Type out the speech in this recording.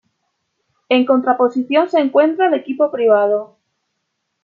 En contraposición se encuentra el equipo privado.